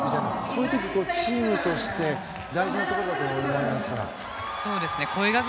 こういうことはチームとして大事なところだと思いますが。